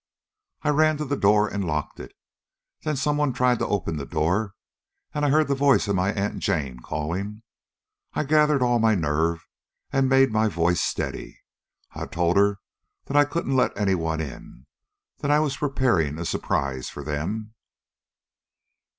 "I ran to the door and locked it. Then someone tried to open the door, and I heard the voice of my Aunt Jane calling. I gathered all my nerve and made my voice steady. I told her that I couldn't let anyone in, that I was preparing a surprise for them.